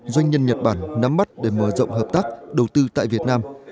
doanh nhân nhật bản nắm bắt để mở rộng hợp tác đầu tư tại việt nam